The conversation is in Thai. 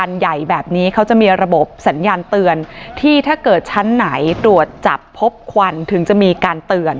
ใหญ่แบบนี้เขาจะมีระบบสัญญาณเตือนที่ถ้าเกิดชั้นไหนตรวจจับพบควันถึงจะมีการเตือน